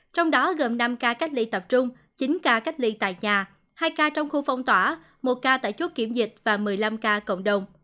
trong đó gồm năm ca cách ly tập trung chín ca cách ly tại nhà hai ca trong khu phong tỏa một ca tại chốt kiểm dịch và một mươi năm ca cộng đồng